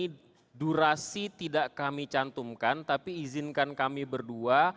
jadi durasi tidak kami cantumkan tapi izinkan kami berdua